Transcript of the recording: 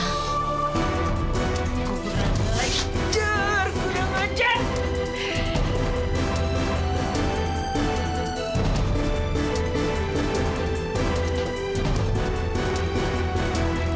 kurang aja kurang aja